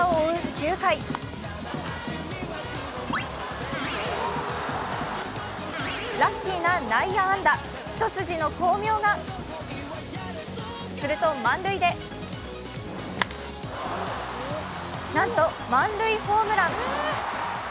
９回ラッキーな内野安打、一筋の光明がすると満塁でなんと満塁ホームラン。